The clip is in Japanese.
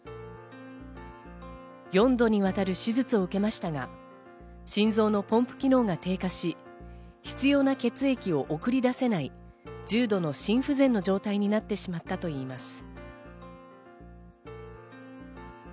４度にわたる手術を受けましたが、心臓のポンプ機能が低下し、必要な血液を送り出せない重度の心不全の状態になってしまったといいます。